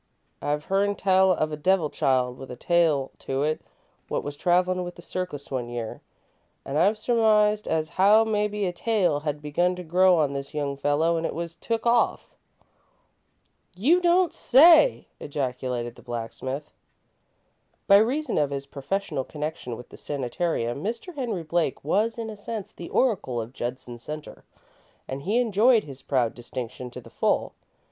I've hearn tell of a 'devil child' with a tail to it what was travellin' with the circus one year, an' I've surmised as how mebbe a tail had begun to grow on this young feller an' it was took off." "You don't say!" ejaculated the blacksmith. By reason of his professional connection with the sanitarium, Mr. Henry Blake was, in a sense, the oracle of Judson Centre, and he enjoyed his proud distinction to the full.